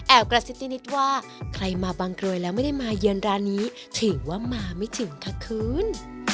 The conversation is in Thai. กระซิบตีนิดว่าใครมาบางกรวยแล้วไม่ได้มาเยือนร้านนี้ถือว่ามาไม่ถึงค่ะคืน